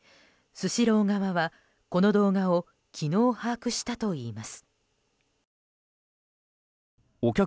スシロー側はこの動画を昨日把握したといいます。